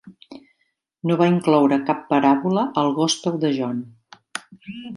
No van incloure cap paràbola al Gospel de John.